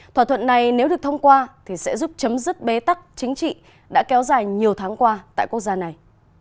thỏa thuận này nếu được thông qua thì sẽ giúp chấm dứt bế tắc chính trị đã kéo dài nhiều tháng qua tại quốc gia này